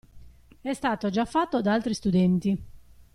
E' stato già fatto da altri studenti.